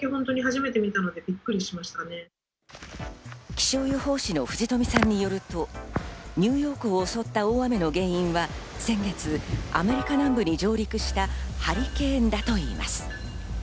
気象予報士の藤富さんによると、ニューヨークを襲った大雨の原因は先月、アメリカなどに上陸したハリケーンだといいます。